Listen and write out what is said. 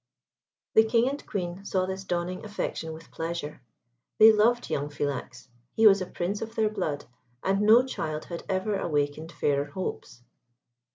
The King and Queen saw this dawning affection with pleasure. They loved young Philax. He was a Prince of their blood, and no child had ever awakened fairer hopes.